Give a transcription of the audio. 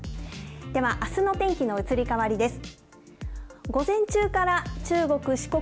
ではあすの天気の移り変わりです。